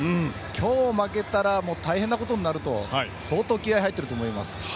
今日負けたら大変なことになると相当気合が入っていると思います。